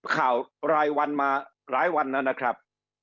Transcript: ข่าวรายวันมาหลายวันแล้วนะครับ